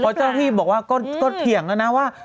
เพราะเจ้าที่บอกว่าก็เถียงแล้วนะว่า